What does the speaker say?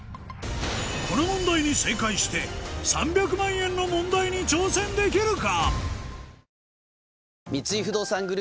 この問題に正解して３００万円の問題に挑戦できるか？